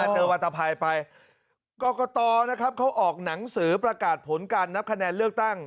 เจอวัตภัยไปกรกตนะครับเขาออกหนังสือประกาศผลการนับคะแนนเลือกตั้ง